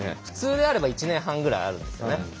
普通であれば１年半ぐらいあるんですよね。